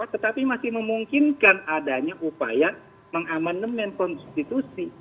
tetapi masih memungkinkan adanya upaya mengamandemen konstitusi